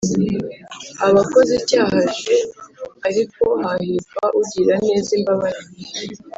Aba akoze icyaha j ariko hahirwa ugirira neza imbabare